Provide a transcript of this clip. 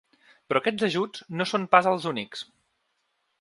Però aquests ajuts no són pas els únics.